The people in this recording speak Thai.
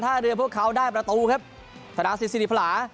ถ้าเรือพวกเขาได้ประตูครับธนาศิษศิริพลา